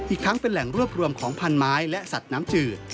อีกทั้งเป็นแหล่งรวบรวมของพันไม้และสัตว์น้ำจืด